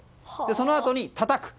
そのあとにたたく。